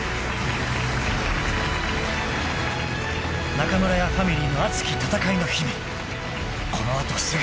［中村屋ファミリーの熱き戦いの日々この後すぐ］